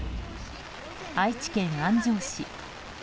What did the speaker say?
愛知県安城市。